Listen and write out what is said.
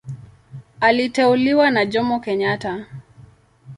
Aliteuliwa na Jomo Kenyatta.